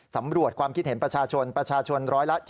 สำรวจความคิดเห็นประชาชนประชาชน๑๗๐